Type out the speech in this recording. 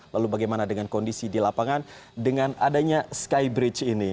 lalu bagaimana dengan kondisi di lapangan dengan adanya skybridge ini